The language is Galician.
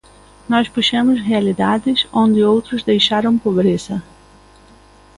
Nós puxemos realidades onde outros deixaron pobreza.